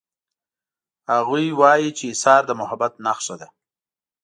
هغوی وایي چې ایثار د محبت نښه ده